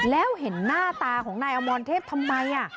แล้วเห็นหน้าตาของนายอมรเทพทำไม